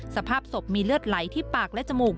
สภาพศพมีเลือดไหลที่ปากและจมูก